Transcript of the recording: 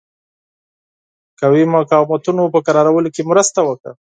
قومي مقاومتونو په کرارولو کې مرسته وکړه.